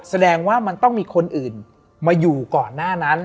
แสดงว่ามันต้องมีคนอื่นมาอยู่ก่อนหน้านั้น